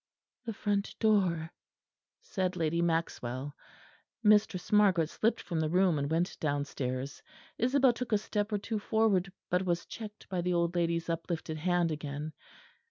"The front door," said Lady Maxwell. Mistress Margaret slipped from the room and went downstairs; Isabel took a step or two forward, but was checked by the old lady's uplifted hand again.